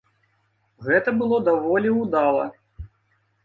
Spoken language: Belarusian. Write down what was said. Гэта было даволі ўдала.